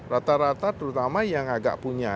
rata rata terutama yang agak punya